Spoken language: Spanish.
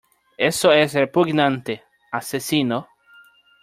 Eso es repugnante .¡ Asesino !